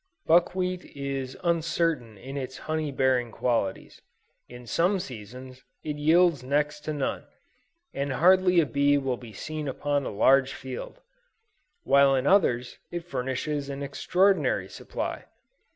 Buckwheat is uncertain in its honey bearing qualities; in some seasons, it yields next to none, and hardly a bee will be seen upon a large field, while in others, it furnishes an extraordinary supply.